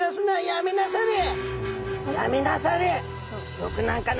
やめなされ」。